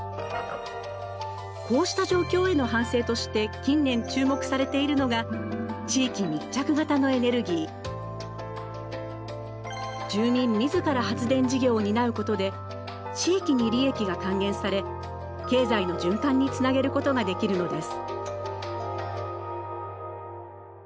こうした状況への反省として近年注目されているのが住民自ら発電事業を担うことで地域に利益が還元され経済の循環につなげることができるのです。